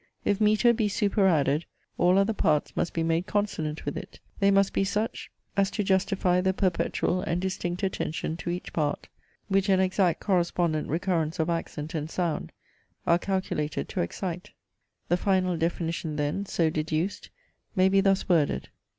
If metre be superadded, all other parts must be made consonant with it. They must be such, as to justify the perpetual and distinct attention to each part, which an exact correspondent recurrence of accent and sound are calculated to excite. The final definition then, so deduced, may be thus worded.